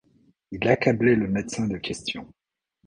Il accablait le médecin de questions.